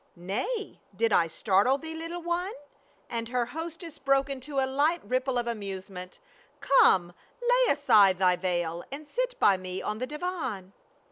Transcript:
" Nay, did I startle thee, little one ?" and her hostess broke into a light ripple of amusement. " Come, lay aside thy veil, and sit by me on the divan."